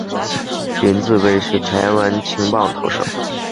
林子崴是台湾青棒投手。